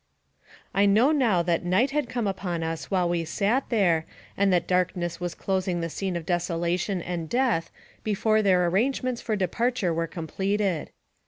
I know now that night had come upon us while we sat there, and that darkness was closing the scene of desolation and death before their arrangements for de parture were completed.